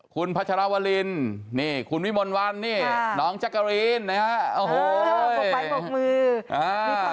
คุณพัชรวรินนี่คุณวิมลวันนี่น้องจักรีนนะฮะโอ้โหบกไม้บกมืออ่า